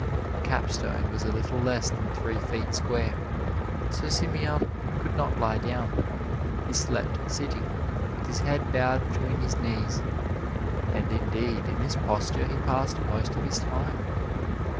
The capstone was a little less than three feet square, so Simeon could not lie down. He slept sitting, with his head bowed between his knees, and indeed, in this posture he passed most of his time.